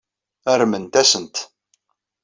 Rremt-asent.